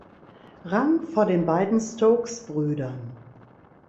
Rang vor den beiden Stokes Brüdern.